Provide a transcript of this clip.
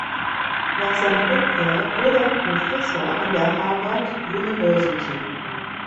Nach seiner Rückkehr wurde er Professor an der Harvard University.